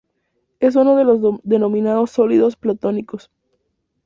Es uno de los denominados sólidos platónicos.